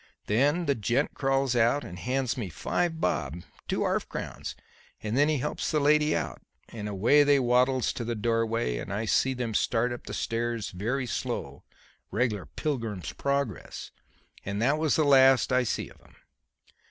Then the gent crawls out and hands me five bob two 'arf crowns and then he helps the lady out, and away they waddles to the doorway and I see them start up the stairs very slow regler Pilgrim's Progress. And that was the last I see of 'em."